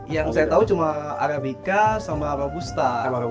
yang saya tahu cuma arabica sama robusta